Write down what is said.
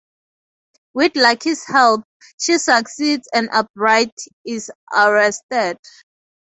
With Lucky's help, she succeeds and Albright is arrested.